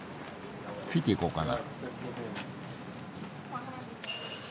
ついて行こうかな。